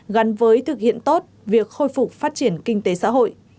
gắn với thực hiện tốt việc khôi phục phát triển kinh tế xã hội